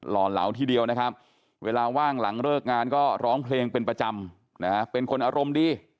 ห่อเหลาทีเดียวนะครับเวลาว่างหลังเลิกงานก็ร้องเพลงเป็นประจำนะฮะเป็นคนอารมณ์ดี